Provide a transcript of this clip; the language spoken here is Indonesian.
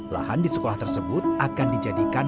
lahan di sekolah tersebut akan dijadikan